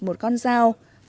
một con dao đặt vào trước cửa nhà